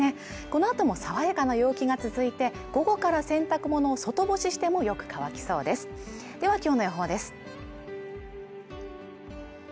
このあとも爽やかな陽気が続いて午後から洗濯物を外干ししてもよく乾きそうです